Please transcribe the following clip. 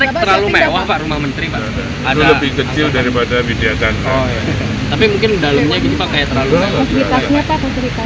itu sama semua itu tiga puluh enam